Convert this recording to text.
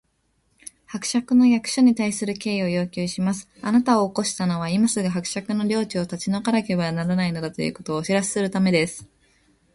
「伯爵の役所に対する敬意を要求します！あなたを起こしたのは、今すぐ伯爵の領地を立ち退かなければならないのだ、ということをお知らせするためです」